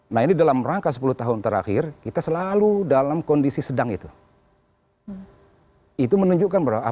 nah ini dalam rangka sepuluh tahun terakhir kita selalu dalam kondisi sedang itu menunjukkan bahwa